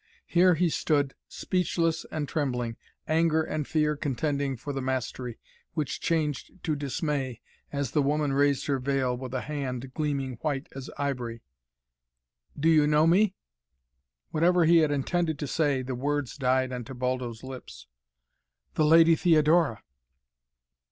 Here he stood, speechless and trembling, anger and fear contending for the mastery, which changed to dismay as the woman raised her veil with a hand gleaming white as ivory. "Do you know me?" Whatever he had intended to say, the words died on Tebaldo's lips. "The Lady Theodora!"